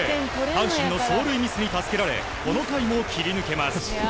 阪神の走塁ミスに助けられこの回も切り抜けます。